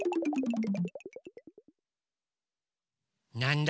なんだ？